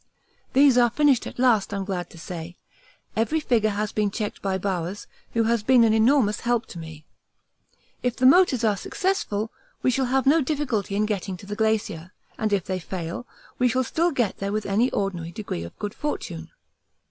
These are finished at last, I am glad to say; every figure has been checked by Bowers, who has been an enormous help to me. If the motors are successful, we shall have no difficulty in getting to the Glacier, and if they fail, we shall still get there with any ordinary degree of good fortune.